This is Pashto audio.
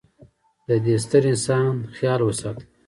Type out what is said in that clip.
د د ې ستر انسان خیال وساتي.